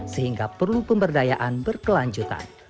sehingga perlu pemberdayaan berkelanjutan